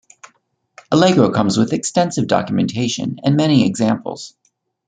Allegro comes with extensive documentation and many examples.